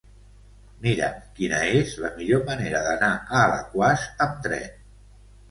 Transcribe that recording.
Mira'm quina és la millor manera d'anar a Alaquàs amb tren.